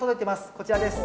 こちらです。